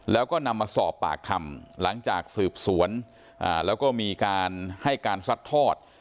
แล้วก็นำมาสอบปากคำหลังจากสืบสวนแล้วก็มีการให้การซัดทอด